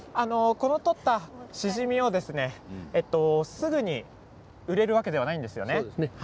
この取ったシジミはすぐに売れるわけではないんですよね。